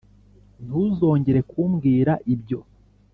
ntuzongere kumbwira ibyo.